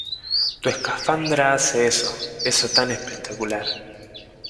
Tu escafandra hace eso... Eso tan espectacular .